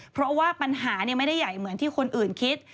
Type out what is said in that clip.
เพราะว่าปัญหาไม่ได้ใหญ่เหมือนที่คนอื่นคิด